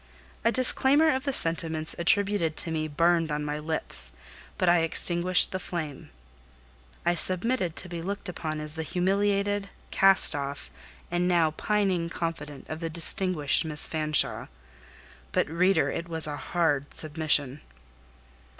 A disclaimer of the sentiments attributed to me burned on my lips, but I extinguished the flame. I submitted to be looked upon as the humiliated, cast off, and now pining confidante of the distinguished Miss Fanshawe: but, reader, it was a hard submission.